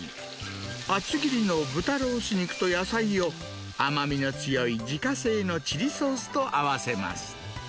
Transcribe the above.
厚切りの豚ロース肉と野菜を、甘みの強い自家製のチリソースと合わせます。